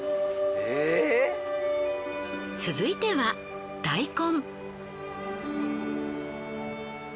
続いては大根。